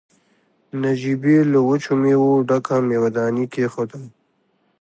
نجيبې له وچو مېوو ډکه مېوه داني کېښوده.